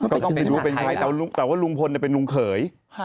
ก็ต้องไปดูเป็นใครแต่ว่าลุงพลเป็นลุงเขย